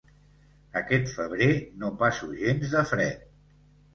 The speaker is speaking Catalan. Aquest febrer no passo gens de fred.